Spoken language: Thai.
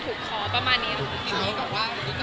รู้จักกับเรามานานแล้ว